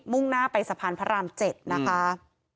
่งหน้าไปสะพานพระราม๗นะคะ